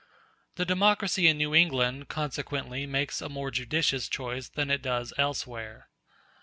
The democracy in New England consequently makes a more judicious choice than it does elsewhere.